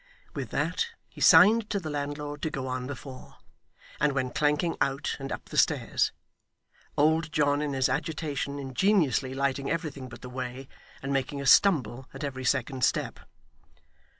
With that, he signed to the landlord to go on before; and went clanking out, and up the stairs; old John, in his agitation, ingeniously lighting everything but the way, and making a stumble at every second step.